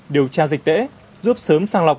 điều tra dịch tễ giúp sớm sang lọc